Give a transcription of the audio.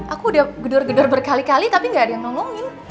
aku udah gedor gedor berkali kali tapi nggak ada yang nolongin